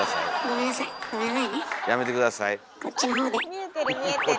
見えてる見えてる。